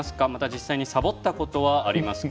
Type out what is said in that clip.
実際にさぼったことはありますか？